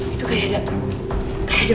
itu kayak ada bayangan